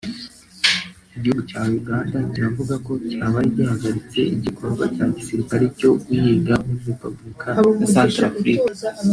Igihugu cya Uganda kiravuga ko cyabaye gihagaritse igikorwa cya gisirikare cyo guhiga muri Repubulika ya Centrafrique